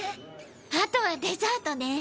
あとはデザートね。